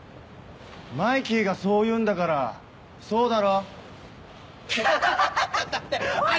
「マイキーがそう言うんだからそうだろ」